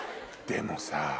でもさ。